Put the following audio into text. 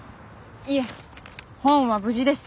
いえ本は無事ですよ。